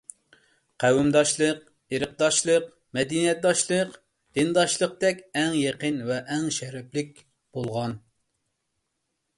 قەۋمداشلىق، ئىرقداشلىق، مەدەنىيەتداشلىق، دىنداشلىقتەك ئەڭ يېقىن ۋە ئەڭ شەرەپلىك بولغان.